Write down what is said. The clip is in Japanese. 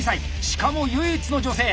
しかも唯一の女性。